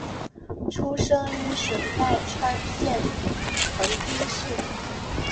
出身于神奈川县横滨市。